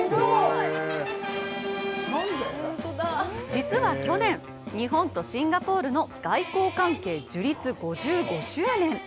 実は去年、日本とシンガポールの外交関係樹立５５周年。